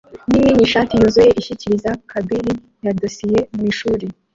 nini nishati yuzuye ashyikiriza kabili ya dosiye mwishuri